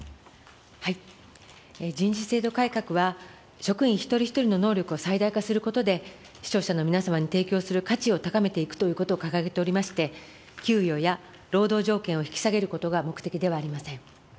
人事制度改革は職員一人一人の能力を最大化することで、視聴者の皆様に提供する価値を高めていくということを掲げておりまして、給与や労働条件を引き下げることが目的ではありません。